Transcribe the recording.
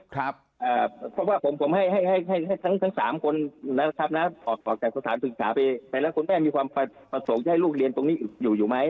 เพราะว่าผมให้ให้ทั้ง๓คนนะครับออกจากสถานศึกษาไปแล้วคุณแม่มีความประสงค์จะให้ลูกเรียนตรงนี้อยู่อยู่ไหม